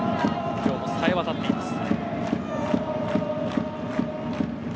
今日もさえ渡っています。